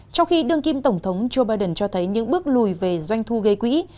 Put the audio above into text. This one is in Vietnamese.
trong khi đương kim tổng thống joe biden cho thấy những bước lùi về doanh thu gây quỹ